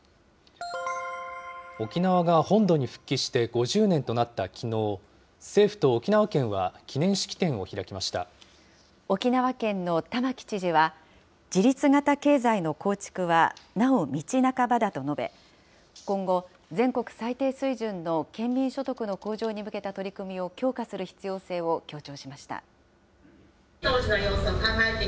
沖縄が本土に復帰して５０年となったきのう、政府と沖縄県は沖縄県の玉城知事は、自立型経済の構築はなお道半ばだと述べ、今後、全国最低水準の県民所得の向上に向けた取り組みを強化する必要性を強調しました。